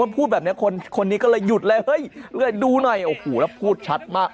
พูดแบบนี้คนนี้ก็เลยหยุดเลยเฮ้ยดูหน่อยโอ้โหแล้วพูดชัดมาก